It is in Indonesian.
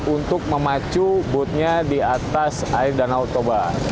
untuk memacu boothnya di atas air danau toba